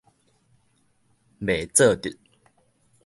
袂做得